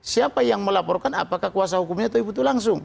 siapa yang melaporkan apakah kuasa hukumnya itu ibu itu langsung